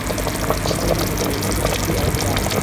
সীতারামের নজরে এ সকল কিছুতেই এড়াইতে পায় না।